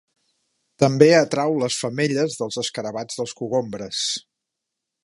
També atrau les femelles dels escarabats dels cogombres.